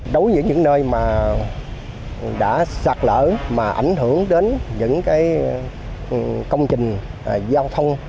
đối với những nơi mà đã sạt lỡ mà ảnh hưởng đến những công trình giao thông